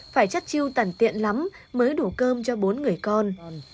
phải chất chiêu tận tiện lắm mới đủ cơm cho bốn người con